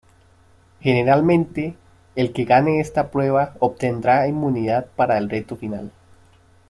Generalmente, el que gane esta prueba obtendrá inmunidad para el "reto final".